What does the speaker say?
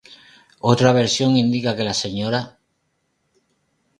Otra versión indica que la Sra.